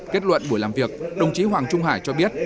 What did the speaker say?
kết luận buổi làm việc đồng chí hoàng trung hải cho biết